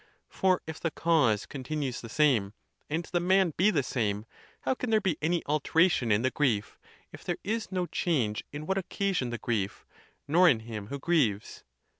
For if the cause continues the same, and the man be the same, how can there be any alteration in the grief, if there is no change in what occasioned the grief, nor in him who grieves?